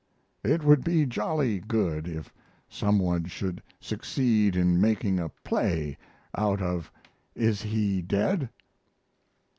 It would be jolly good if some one should succeed in making a play out of "Is He Dead?"